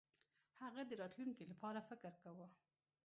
هغه د راتلونکي لپاره فکر کاوه.